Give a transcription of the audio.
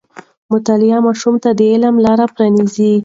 مطالعه ماشوم ته د علم لاره پرانیزي.